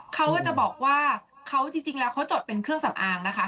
เขาก็จะบอกว่าเขาจริงแล้วเขาจดเป็นเครื่องสำอางนะคะ